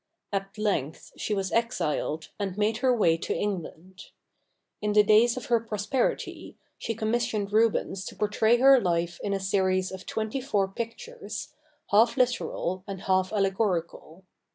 At length she was exiled, and made her way to England. In the days of her prosperity, she commissioned Rubens to portray her life in a series of twenty four pictures, half literal and half allegorical.